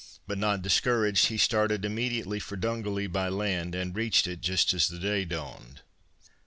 But not discouraged, he started immediately for Dungally by land, and reached it just as the day dawned.